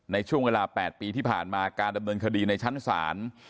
ในช่วงเวลา๘ปีที่ผ่านมาการดำเนินคดีในชั้นศาล